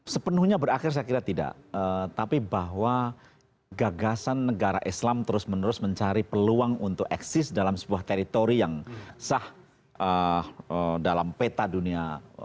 sepenuhnya berakhir saya kira tidak tapi bahwa gagasan negara islam terus menerus mencari peluang untuk eksis dalam sebuah teritori yang sah dalam peta dunia